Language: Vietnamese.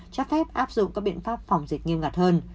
cho phép áp dụng các biện pháp phòng dịch nghiêm ngặt hơn